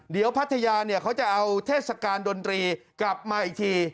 เดี๋ยวพัทยาเนี่ยเขาจะเอาเทศกาลดนตรีกลับมาอีกที